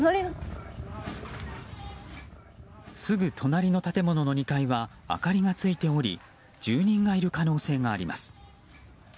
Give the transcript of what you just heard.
すぐ隣の建物の２階は明かりがついており住人がいる可能性があります。